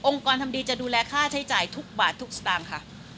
กรทำดีจะดูแลค่าใช้จ่ายทุกบาททุกสตางค์ค่ะ